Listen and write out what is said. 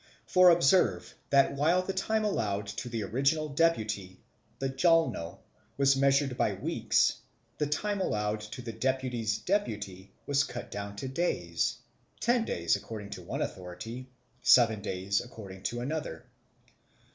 For observe that while the time allowed to the original deputy the Jalno was measured by weeks, the time allowed to the deputy's deputy was cut down to days, ten days according to one authority, seven days according to another.